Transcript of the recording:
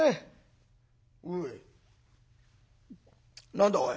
何だおい。